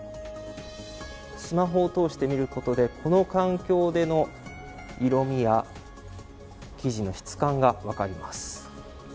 スマホを通してみることで、この環境での色みや生地の質感が分かります。